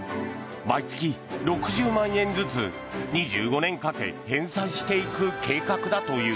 毎月６０万円ずつ２５年かけ返済していく計画だという。